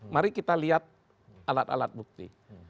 mari kita lihat alat alat bukti